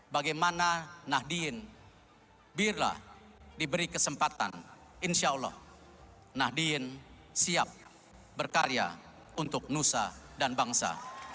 bagaimana nahdin biarlah diberi kesempatan insya allah nahdin siap berkarya untuk nusa dan bangsa